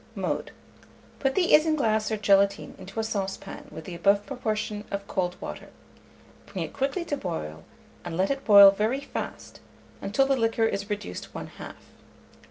Mode. Put the isinglass or gelatine into a saucepan with the above proportion of cold water; bring it quickly to boil, and let it boil very fast, until the liquor is reduced one half.